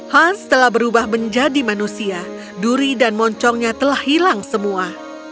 hans telah berubah menjadi manusia duri dan moncongnya telah hilang semua